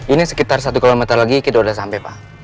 ini sekitar satu km lagi kita udah sampai pak